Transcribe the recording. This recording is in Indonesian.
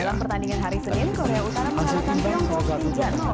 dalam pertandingan hari senin korea utara melakukan pembahasan